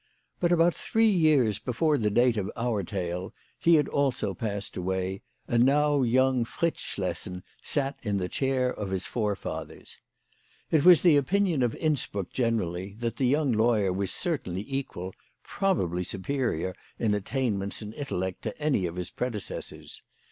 But about three years before the date of our tale he also had passed away, and now young Fritz Schlessen sat in the chair of his forefathers. It was the opinion of Innsbruck generally that the young lawyer was certainly equal, probably superior, in attainments and intellect to any of his predecessors.